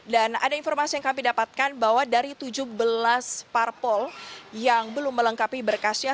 dan ada informasi yang kami dapatkan bahwa dari tujuh belas parpol yang belum melengkapi berkasnya